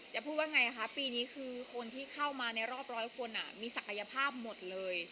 พูดว่าไงคะปีนี้คือคนที่เข้ามาในรอบร้อยคนมีศักยภาพหมดเลย